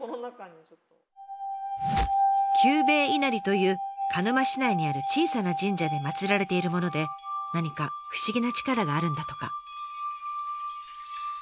久兵衛稲荷という鹿沼市内にある小さな神社で祭られているもので何か不思議な力があるんだとか。